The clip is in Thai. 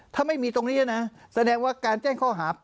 ถ้าไม่มีตรงนี้นะแสดงว่าการแจ้งข้อหา